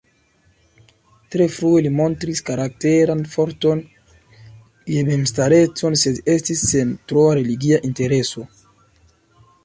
Tre frue li montris karakteran forton je memstareco sed estis sen troa religia intereso.